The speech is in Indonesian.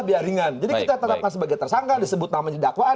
disebut namanya dakwaan